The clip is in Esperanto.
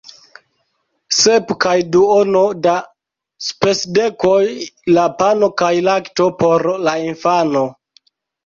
Sep kaj duono da spesdekoj la pano kaj lakto por la infano!